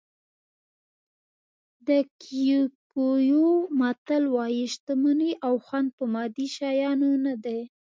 د کیکویو متل وایي شتمني او خوند په مادي شیانو نه دي.